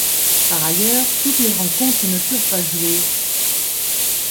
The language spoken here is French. Par ailleurs, toutes les rencontres ne furent pas jouées.